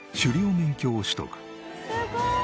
すごーい！